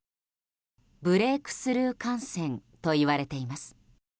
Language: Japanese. ブレークスルー感染といわれています。